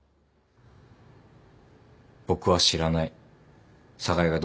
僕は知らない寒河江がどんな人間か。